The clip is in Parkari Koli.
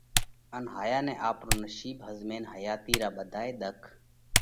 ان ھايا نئہ آپرو نشِيٻ ۿزمينَ حياتِي را ٻڌائي ۮک